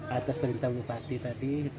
atas perintah bupati tadi